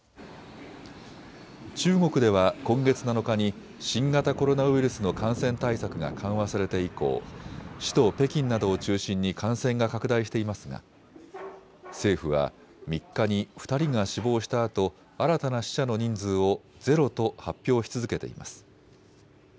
中国では今月７日に新型コロナウイルスの感染対策が緩和されて以降、首都・北京などを中心に感染が拡大していますが政府は３日に２人が死亡したあと新たな死者の人数をゼロと発表し続けています。